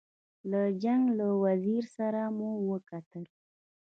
له جنګ له وزیر سره مو وکتل.